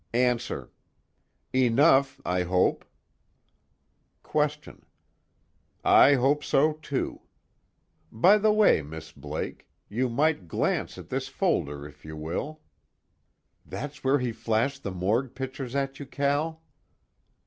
ANSWER: Enough, I hope. QUESTION: I hope so too. By the way, Miss Blake, you might glance at this folder, if you will. "That's where he flashed the morgue pictures at you, Cal?"